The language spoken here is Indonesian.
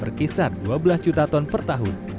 berkisar dua belas juta ton per tahun